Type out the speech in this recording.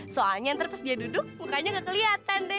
soalnya ntar pas dia duduk mukanya nggak keliatan deh